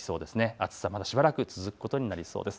暑さまだしばらく続くことになりそうです。